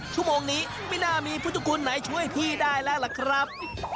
ชั่วโมงนี้ไม่น่ามีพุทธคุณไหนช่วยพี่ได้แล้วล่ะครับ